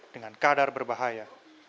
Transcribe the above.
dengan kadar berbahaya